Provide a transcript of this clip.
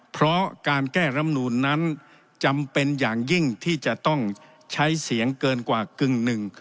เพราะการแก้รำนูนนั้นจำเป็นอย่างยิ่งที่จะต้องใช้เสียงเกินกว่ากึ่งหนึ่ง